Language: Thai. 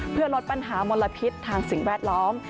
เพื่อลดปัญหามลพิษทางสิ่งแวดล้อม